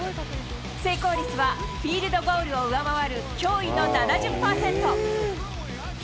成功率はフィールドゴールを上回る驚異の７０％。